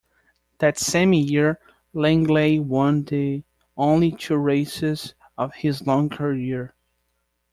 That same year Langley won the only two races of his long career.